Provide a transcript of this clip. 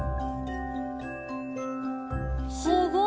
すごい！